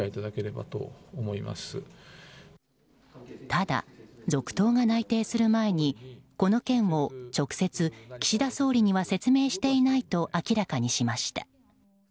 ただ続投が内定する前にこの件を直接、岸田総理には説明していないと明らかにしました。